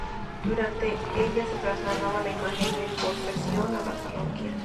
Durante ella se traslada la imagen en procesión a la parroquia.